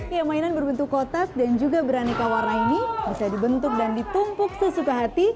ya mainan berbentuk kotak dan juga beraneka warna ini bisa dibentuk dan ditumpuk sesuka hati